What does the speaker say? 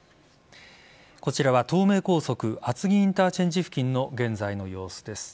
こちらは東名高速厚木インターチェンジ付近の現在の様子です。